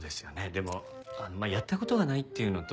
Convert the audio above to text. でもまあやった事がないっていうのと